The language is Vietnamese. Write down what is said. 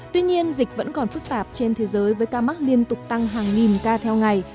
tuy nhiên dịch vẫn còn phức tạp trên thế giới với ca mắc liên tục tăng hàng nghìn ca theo ngày